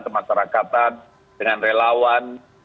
kemasarakatan dengan relawan